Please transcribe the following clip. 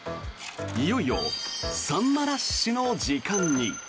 いよいよサンマラッシュの時間に。